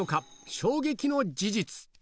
衝撃の事実！